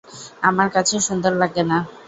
আমার কাছে সুন্দর লাগে না।